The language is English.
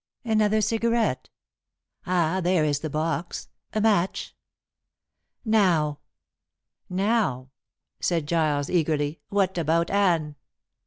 Another cigarette. Ah, there is the box. A match. Now." "Now," said Giles eagerly, "what about Anne?"